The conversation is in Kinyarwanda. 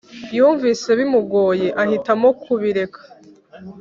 yumvise bimugoye ahitamo kubireka